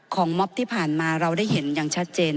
ม็อบที่ผ่านมาเราได้เห็นอย่างชัดเจน